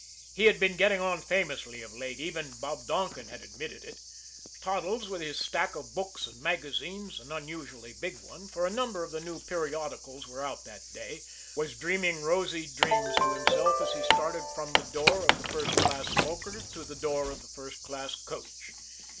He had been getting on famously of late; even Bob Donkin had admitted it. Toddles, with his stack of books and magazines, an unusually big one, for a number of the new periodicals were out that day, was dreaming rosy dreams to himself as he started from the door of the first class smoker to the door of the first class coach.